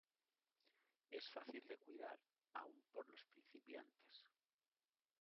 Es fácil de cuidar, aún por los principiantes.